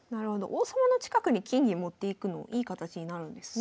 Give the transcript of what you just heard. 王様の近くに金銀持っていくのいい形になるんですね。